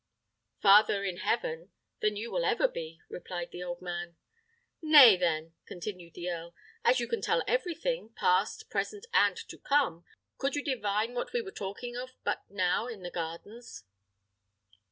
"Farther in heaven than you will ever be," replied the old man. "Nay, then," continued the earl, "as you can tell everything, past, present, and to come, could you divine what we were talking of but now in the gardens?"